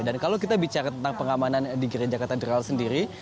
dan kalau kita bicara tentang pengamanan di gereja katedral sendiri